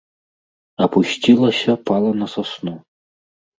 Апусцілася, пала на сасну.